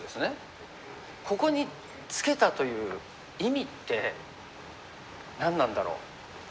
ここにツケたという意味って何なんだろう？